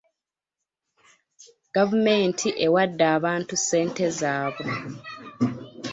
Gavumenti ewadde abantu ssente zaabwe.